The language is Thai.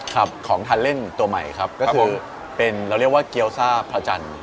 ของทานเล่นตัวใหม่ครับก็คือเป็นเราเรียกว่าเกี้ยวซ่าพระจันทร์